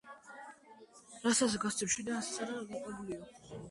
მდებარეობს მესხეთის ქედის სამხრეთ კალთაზე, მდინარე ოცხის ხეობაში.